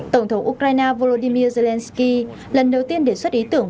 tổng thống ukraine volodymyr zelensky lần đầu tiên đề xuất ý tưởng